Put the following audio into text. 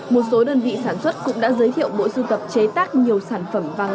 một số đơn vị sản xuất cũng đã giới thiệu bộ sưu tập chế tác nhiều sản phẩm vàng